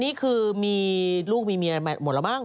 นี่คือมีลูกมีเมียหมดแล้วมั้ง